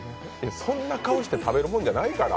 そんな顔して食べるもんじゃないから。